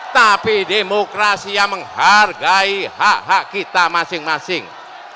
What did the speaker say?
tapi demokrasi yang menghargai hak hak kita masing masing